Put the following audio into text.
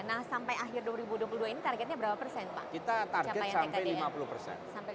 nah sampai akhir dua ribu dua puluh dua ini targetnya berapa persen pak capaian tkdn